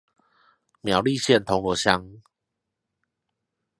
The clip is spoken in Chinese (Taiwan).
苗栗縣銅鑼鄉